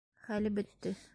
Хәле бөттө.